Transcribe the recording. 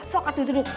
sok atuh duduk